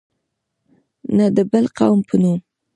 نه د بل قوم په نوم.